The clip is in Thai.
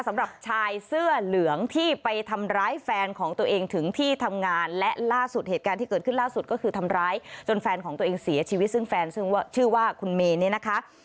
สำหรับชายเสื้อเหลืองที่ไปทำร้ายแฟนของตัวเองถึงที่ทำงานและล่าสุดเหตุการณ์ที่เกิดขึ้นล่าสุดก็คือทำร้ายจนแฟนของตัวเองเสียชีวิตซึ่งแฟนซึ่งชื่อว่าคุณเมย์เนี่ยนะคะ